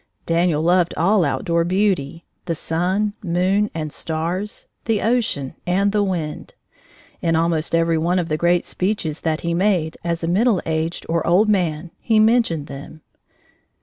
Daniel loved all outdoor beauty, the sun, moon, and stars, the ocean, and the wind. In almost every one of the great speeches that he made, as a middle aged, or old man, he mentioned them.